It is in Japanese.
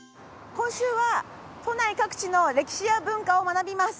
今週は都内各地の歴史や文化を学びます。